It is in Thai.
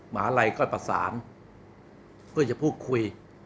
หมาลัยก็ประสานเพื่อจะพูดคุย